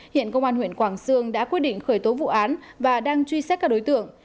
hiện công an huyện quảng sương đã quyết định khởi tố vụ án và đang truy xét các đối tượng